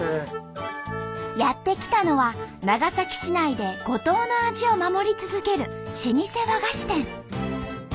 やって来たのは長崎市内で五島の味を守り続ける老舗和菓子店。